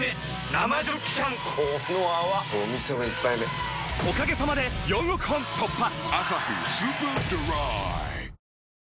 生ジョッキ缶この泡これお店の一杯目おかげさまで４億本突破！